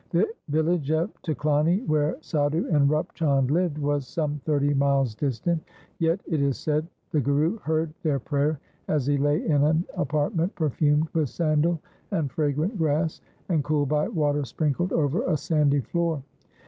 The village of Tuklani, where Sadhu and Rup 150 THE SIKH RELIGION Chand lived, was some thirty miles distant, yet, it is said, the Guru heard their prayer as he lay in an apartment perfumed with sandal and fragrant grass and cooled by water sprinkled over a sandy floor.